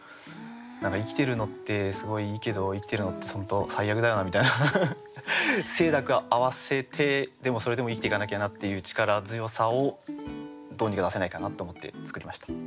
何か生きてるのってすごいいいけど生きてるのって本当最悪だよなみたいな清濁併せてでもそれでも生きていかなきゃなっていう力強さをどうにか出せないかなと思って作りました。